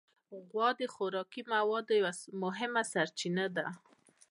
غوا د خوراکي موادو یو مهمه سرچینه ده.